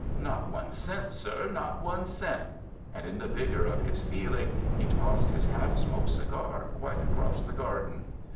Not one cent, sir, not one cent;" and in the vigor of his feeling he tossed his half smoked cigar quite across the garden.